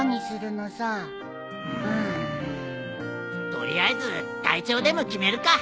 取りあえず隊長でも決めるか。